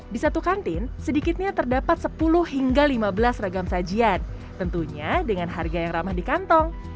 di satu kantin sedikitnya terdapat sepuluh hingga lima belas ragam sajian tentunya dengan harga yang ramah di kantong